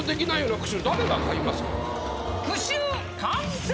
句集完成！